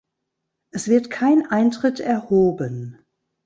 Es wird kein Eintritt erhoben.